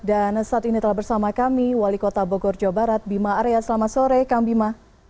dan saat ini telah bersama kami wali kota bogor jawa barat bima arya selamat sore kang bima